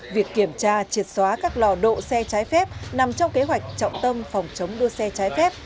việc kiểm tra triệt xóa các lò độ xe trái phép nằm trong kế hoạch trọng tâm phòng chống đua xe trái phép